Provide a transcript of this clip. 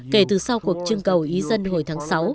kể từ sau cuộc trưng cầu ý dân hồi tháng sáu